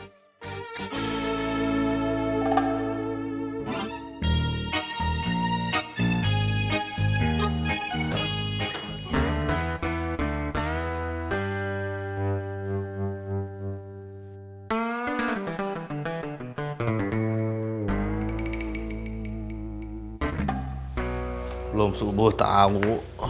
belum subuh tau